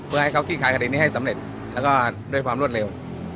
เพื่อให้เขาขี้คายคดีนี้ให้สำเร็จแล้วก็ด้วยความรวดเร็ว